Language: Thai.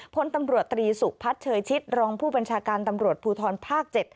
พลตำรวจตรีสุพัฒน์เชยชิดรองผู้บัญชาการตำรวจภูทรภาค๗